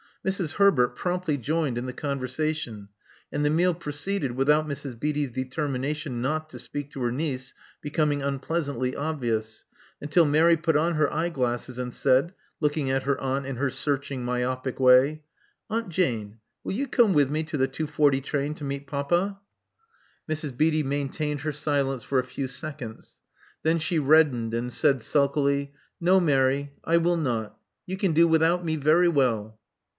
Mrs. ^Herbert promptly joined in the conver sation ; and the meal proceeded without Mrs. Beatty's determination not to speak to her neice becoming unpleasantly obvious, until Mary put on her eye glasses, and said, looking at her aunt in her searching myopic way : *'Aunt Jane: will you come with me to the two forty train to meet papa?'* Mrs. Beatty maintained her silence for a few seconds. Then she reddened, and said sulkily, No, Mary, I will not. You can do without me very well.